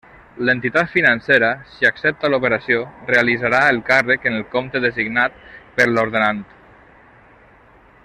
L'entitat financera, si accepta l'operació, realitzarà el càrrec en el compte designat per l'ordenant.